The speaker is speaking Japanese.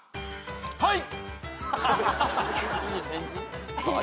はい！